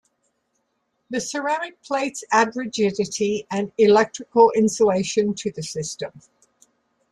The ceramic plates add rigidity and electrical insulation to the system.